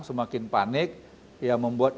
semakin panik yang membuat